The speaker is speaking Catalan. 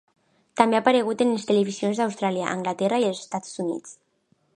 També ha aparegut en les televisions d'Austràlia, Anglaterra i els Estats Units.